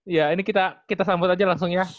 ya ini kita sambut aja langsung ya